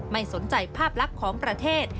ไม่สนใจภาพลักษณ์ของประเทศ